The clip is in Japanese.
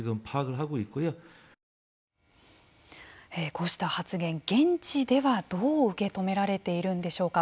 こうした発言現地ではどう受け止められているんでしょうか。